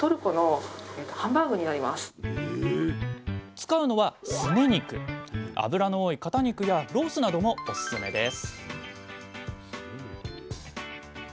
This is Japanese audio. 使うのは脂の多い肩肉やロースなどもオススメです